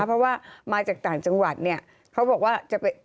เพราะว่ามาจากต่างจังหวัดเนี่ยเขาบอกว่าจะไป